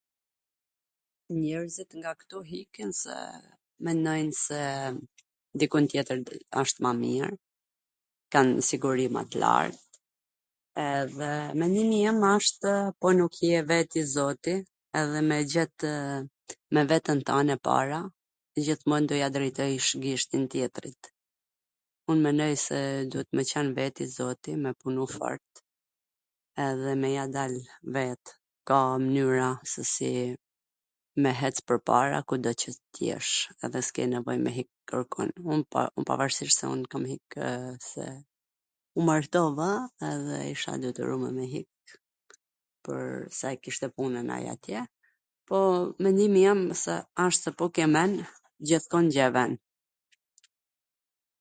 Njerzit nga ktu ikin se menojn se diku tjetwr asht ma mir, kan siguri ma t lart, edhe menimi im ashtw se po nuk je vet i zoti edhe me e gjet me veten tane para, gjithmon do ja drejtojsh gishtin tjetrit, un menoj se duhet me qwn vet i zoti me punu fort edhe me ja dal vet ... ka mnyra se si me hec pwrpara, kudo qw t jesh, edhe s ke nevoj me hik kwrrkun, un pavarsisht se kam hikw se u martova edhe isha e detyrume me hik, pwr sa e kishte punwn ai atje, po menimi im se asht se po ke men, gjithkun gjenven.